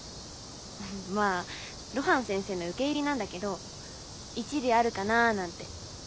まあ露伴先生の受け売りなんだけど一理あるかなーなんて。